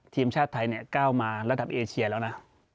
ทีมชาติไทยก้าวมาระดับเอเชียแล้วนะ